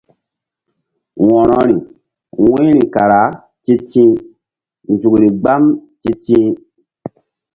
Wo̧rori wu̧yri kara ti̧ti̧h nzukri mgbam ti̧ti̧h.